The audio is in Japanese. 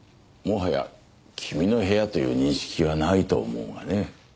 もはや君の部屋という認識はないと思うがね。